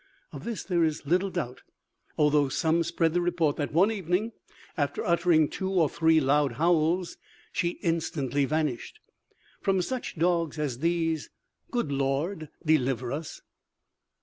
Of this there is little doubt, although some spread the report that one evening, after uttering two or three loud howls, she instantly vanished! From such dogs as these, good Lord deliver us!"